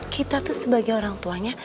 kita tuh sebagai orang tuanya